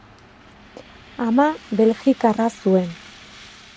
Ama belgikarra zuen.